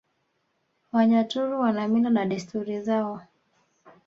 Wanyaturu wana Mila na Desturi zao